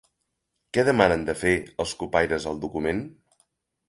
Què demanen de fer els cupaires al document?